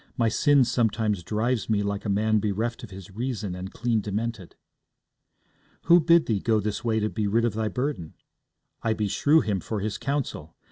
My sin sometimes drives me like a man bereft of his reason and clean demented.' 'Who bid thee go this way to be rid of thy burden? I beshrew him for his counsel.